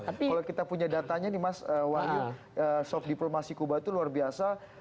kalau kita punya datanya nih mas wahyu soft diplomasi kuba itu luar biasa